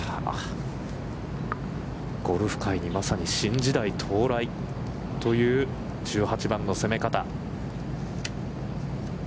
ゴルフ界にまさに新時代到来という１８番の攻め方。